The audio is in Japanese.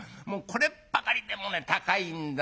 これっぱかりでもね高いんだよ。